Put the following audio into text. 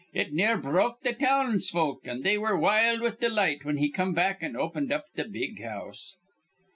It near broke th' townsfolk, an' they were wild with delight whin he come back an' opened up th' big house.